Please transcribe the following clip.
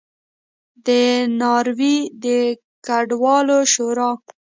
د ناروې د کډوالو شورا